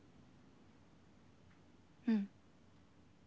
うん。